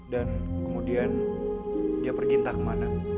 dan kemudian dia pergi entah kemana